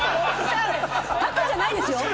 タコじゃないですよ。